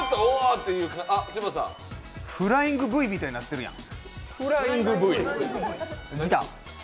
フライングＶになってるやん